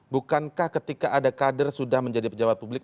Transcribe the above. bukankah ketika ada kader sudah menjadi pejabat publik